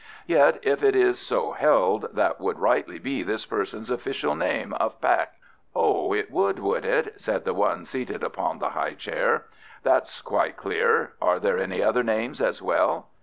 Yet, if it is so held, that would rightly be this person's official name of Paik." "Oh, it would, would it?" said the one seated upon the high chair. "That's quite clear. Are there any other names as well?"